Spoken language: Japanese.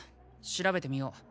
調べてみよう。